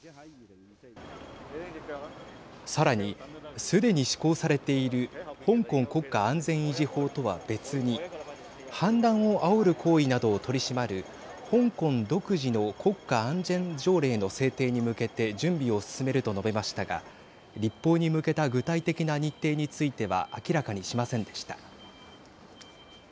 さらに、すでに施行されている香港国家安全維持法とは別に反乱をあおる行為などを取り締まる香港独自の国家安全条例の制定に向けて準備を進めると述べましたが立法に向けた具体的な日程については明らかにしませんでした。